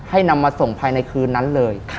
นำมาส่งภายในคืนนั้นเลย